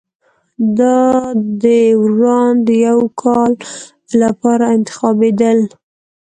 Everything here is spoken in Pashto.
دا داوران د یوه کال لپاره انتخابېدل